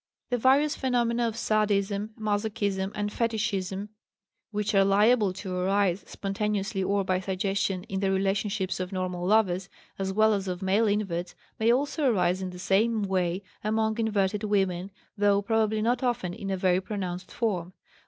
The various phenomena of sadism, masochism, and fetichism which are liable to arise, spontaneously or by suggestion, in the relationships of normal lovers, as well as of male inverts, may also arise in the same way among inverted women, though, probably, not often in a very pronounced form.